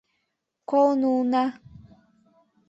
— Колын улына...